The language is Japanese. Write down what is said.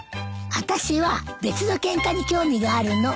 あたしは別のケンカに興味があるの。